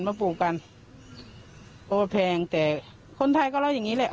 มันแพงแต่คนไทยก็เล่าอย่างนี้แหละ